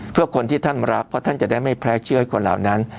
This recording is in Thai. เพื่อคนที่ท่านรักเพราะท่านจะได้ไม่แพ้เชื่อให้คนเหล่านั้น